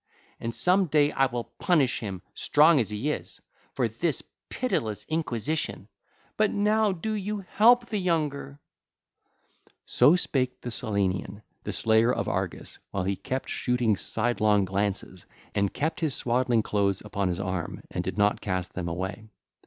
And some day I will punish him, strong as he is, for this pitiless inquisition; but now do you help the younger.' (ll. 387 396) So spake the Cyllenian, the Slayer of Argus, while he kept shooting sidelong glances and kept his swaddling clothes upon his arm, and did not cast them away.